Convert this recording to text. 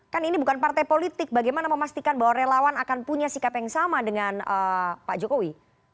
kan ini bukan partai politik bagaimana memastikan bahwa relawan akan punya sikap yang sama dengan pak jokowi